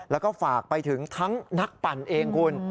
แล้วก็ฝากไปถึงทั้งนักปั่นเองคุณ